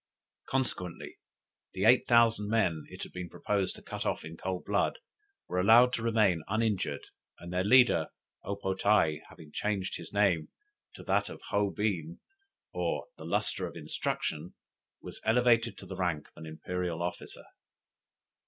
Consequently the eight thousand men, it had been proposed to cut off in cold blood, were allowed to remain uninjured, and their leader, O po tae, having changed his name to that of Hoe been, or, "The Lustre of Instruction," was elevated to the rank of an imperial officer.